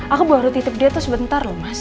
aku baru titip dia tuh sebentar loh mas